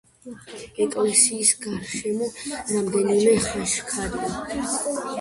ეკლესიის გარშემო რამდენიმე ხაჩქარია.